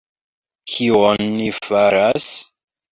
Kion ni faras?